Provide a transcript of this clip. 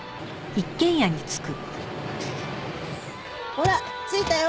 「」ほら着いたよ